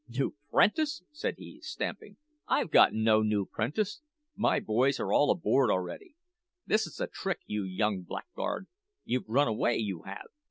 "`New 'prentice!' said he, stamping; `I've got no new 'prentice. My boys are all aboard already. This is a trick, you young blackguard! You've run away, you have!'